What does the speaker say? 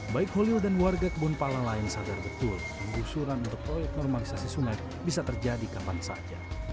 baik holil dan warga kebun pala lain sadar betul penggusuran untuk proyek normalisasi sungai bisa terjadi kapan saja